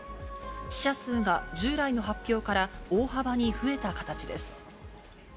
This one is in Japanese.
死者数が従来の発表から大幅に増えた形です。